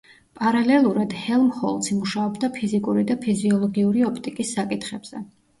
პარალელურად ჰელმჰოლცი მუშაობდა ფიზიკური და ფიზიოლოგიური ოპტიკის საკითხებზე.